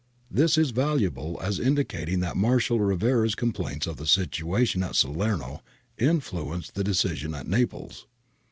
This is valuable as indicating that Marshal Rivera's complaints of the situation at Salerno influ enced the decision at Naples.